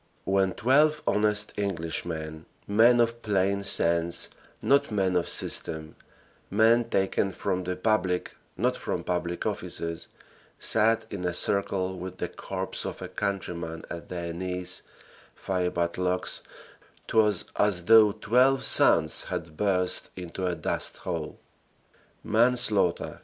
When twelve honest Englishmen, men of plain sense, not men of system, men taken from the public not from public offices, sat in a circle with the corpse of a countryman at their knees, fiebat lux; 'twas as though twelve suns had burst into a dust hole. "Manslaughter!"